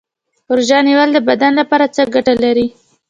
روژه نیول د بدن لپاره څه ګټه لري